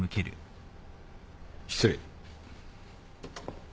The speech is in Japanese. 失礼。